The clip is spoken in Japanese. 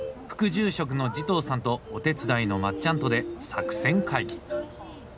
副住職の慈瞳さんとお手伝いのまっちゃんとで作戦会議。